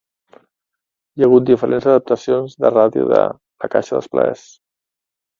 Hi ha hagut diferents adaptacions de ràdio de "La caixa dels plaers".